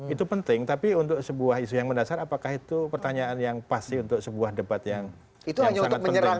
itu penting tapi untuk sebuah isu yang mendasar apakah itu pertanyaan yang pasti untuk sebuah debat yang sangat penting